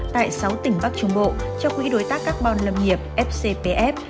tại sáu tỉnh bắc trung bộ cho quỹ đối tác carbon lâm nghiệp fcpf